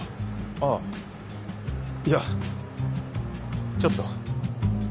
ああいやちょっと。